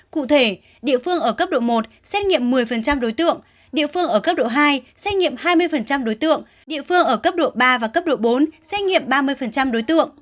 cụ thể địa phương ở cấp độ một xét nghiệm một mươi đối tượng địa phương ở cấp độ hai xét nghiệm hai mươi đối tượng địa phương ở cấp độ ba và cấp độ bốn xét nghiệm ba mươi đối tượng